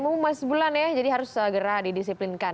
memumas bulan ya jadi harus segera didisiplinkan